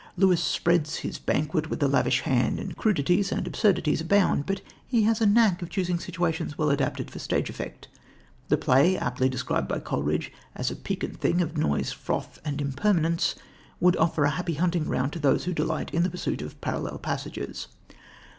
Lewis spreads his banquet with a lavish hand, and crudities and absurdities abound, but he has a knack of choosing situations well adapted for stage effect. The play, aptly described by Coleridge as a "peccant thing of Noise, Froth and Impermanence," would offer a happy hunting ground to those who delight in the pursuit of "parallel passages."